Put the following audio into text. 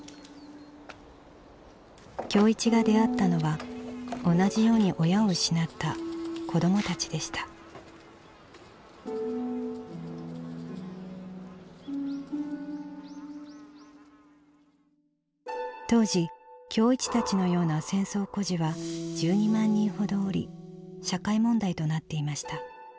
今日一が出会ったのは同じように親を失った子どもたちでした当時今日一たちのような戦争孤児は１２万人ほどおり社会問題となっていました。